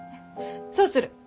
そうする。